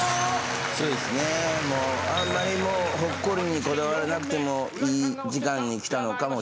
あんまりもうほっこりにこだわらなくてもいい時間にきたのかもしれません。